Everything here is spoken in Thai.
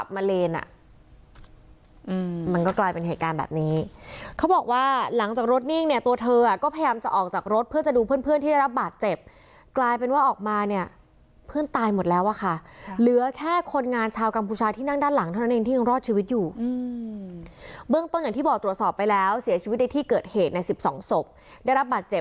มันก็กลายเป็นเหตุการณ์แบบนี้เขาบอกว่าหลังจากรถนิ่งเนี่ยตัวเธอก็พยายามจะออกจากรถเพื่อจะดูเพื่อนเพื่อนที่ได้รับบาดเจ็บกลายเป็นว่าออกมาเนี่ยเพื่อนตายหมดแล้วอะค่ะเหลือแค่คนงานชาวกัมพูชาที่นั่งด้านหลังเท่านั้นเองที่ยังรอดชีวิตอยู่เบื้องต้นอย่างที่บอกตรวจสอบไปแล้วเสียชีวิตในที่เกิดเหตุใน๑๒ศพได้รับบาดเจ็บ